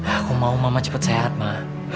aku mau mama cepet sehat mah